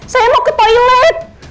saya mau ke toilet